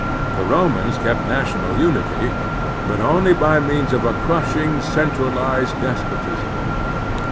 The Romans kept national tinity, but only by means of a crushing centralized des potism.